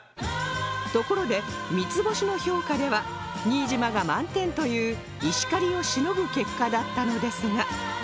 ところで三つ星の評価では新島が満点という石狩をしのぐ結果だったのですが